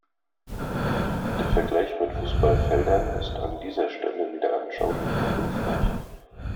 Der Vergleich mit Fußballfeldern ist an dieser Stelle weder anschaulich noch hilfreich.